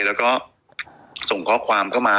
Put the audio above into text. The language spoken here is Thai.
แล้วก็ส่งข้อความเข้ามา